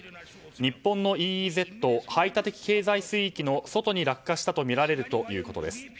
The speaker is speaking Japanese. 日本のＥＥＺ・排他的経済水域の外に落下したとみられるということです。